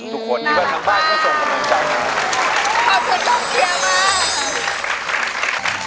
ทุกคนที่มาทำบ้านให้ส่งกำลังใจขอบคุณต้องเกลียดมาก